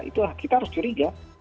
itu kita harus curiga